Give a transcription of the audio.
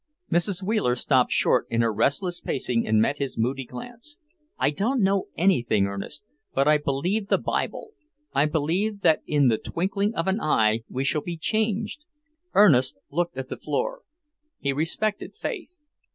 Mrs. Wheeler stopped short in her restless pacing and met his moody glance. "I don't know anything, Ernest, but I believe the Bible. I believe that in the twinkling of an eye we shall be changed!" Ernest looked at the floor. He respected faith.